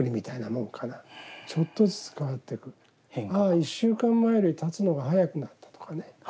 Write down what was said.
１週間前よりたつのがはやくなったとかね。